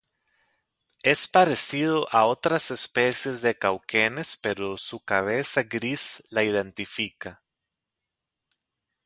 Es parecido a otras especies de cauquenes, pero su cabeza gris la identifica.